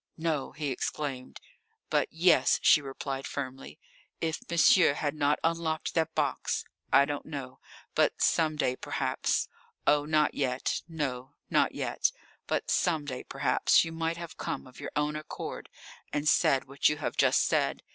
"No!" he exclaimed. "But yes," she replied firmly. "If monsieur had not unlocked that box I don't know but some day perhaps oh, not yet, no, not yet but some day perhaps you might have come of your own accord and said what you have just said.